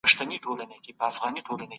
د رواجونو زور اکثره وخت پټ وي.